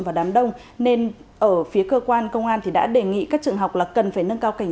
và đám đông nên ở phía cơ quan công an thì đã đề nghị các trường học là cần phải nâng cao cảnh